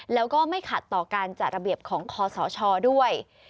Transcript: แล้วก็ไม่ขัดต่อการจัดระเบียบของคอสชด้วย